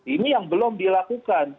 ini yang belum dilakukan